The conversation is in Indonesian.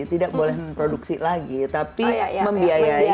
tidak boleh memproduksi lagi tapi membiayai